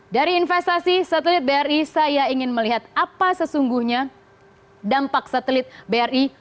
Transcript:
dari investasi satelit bri saya ingin melihat apa sesungguhnya dampak satelit bri